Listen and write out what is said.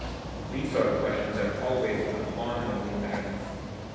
These sort of questions are always abominably embarrassing.